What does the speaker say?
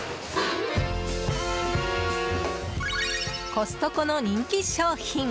コストコの人気商品！